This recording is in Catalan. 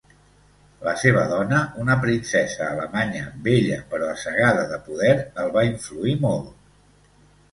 La seva dona, una princesa alemanya bella però assegada de poder, el va influir molt.